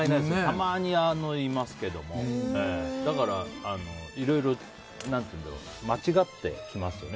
たまにいますけどだからいろいろ間違ってきますよね。